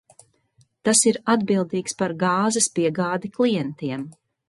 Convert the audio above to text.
Tas ir atbildīgs par gāzes piegādi klientiem.